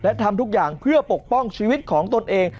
และทำทุกอย่างเพื่อปกป้องชีวิตของตนเอง